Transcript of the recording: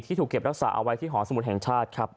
ถูกเก็บรักษาเอาไว้ที่หอสมุทรแห่งชาติครับ